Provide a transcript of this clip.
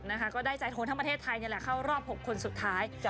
ในภาพที่ทายตั้งแต่กลับมา